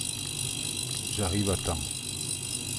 J’arrive à temps.